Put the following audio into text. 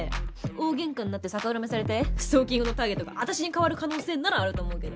大喧嘩になって逆恨みされてストーキングのターゲットが私に変わる可能性ならあると思うけど。